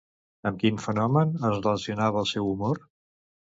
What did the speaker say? Amb quin fenomen es relacionava el seu humor?